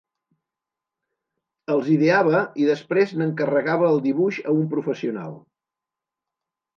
Els ideava i després n'encarregava el dibuix a un professional.